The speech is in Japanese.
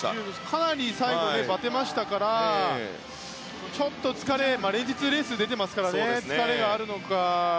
かなり最後にばてましたからちょっと疲れが連日レースに出ていましたから疲れがあるのか。